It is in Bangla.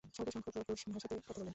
স্বল্প সংখ্যক লোক রুশ ভাষাতে কথা বলেন।